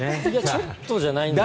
ちょっとじゃないんです。